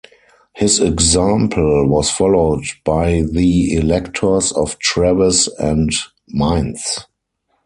His example was followed by the electors of Treves and Mainz.